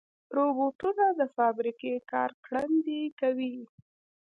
روبوټونه د فابریکې کار ګړندي کوي.